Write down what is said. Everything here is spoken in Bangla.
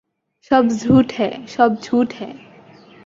সব ঝুট হ্যায়, সব ঝুট হ্যায়।